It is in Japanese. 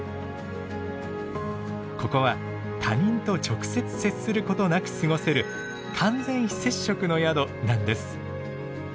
ここは他人と直接接することなく過ごせる「完全非接触」の宿なんです。